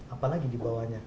apa lagi dibawahnya